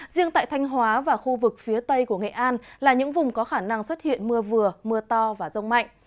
riêng tại thanh hóa và khu vực phía tây của nghệ an là những vùng có khả năng xuất hiện mưa vừa mưa to và rông mạnh